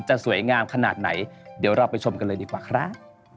สวยงามขนาดไหนเดี๋ยวเราไปชมกันเลยดีกว่าครับ